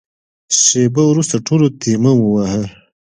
شېبه وروسته ټولو تيمم وواهه.